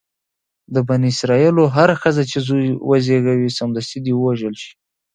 د بني اسرایلو هره ښځه چې زوی وزېږوي سمدستي دې ووژل شي.